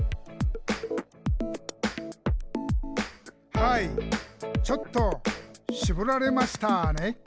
「はいちょっとしぼられましたね」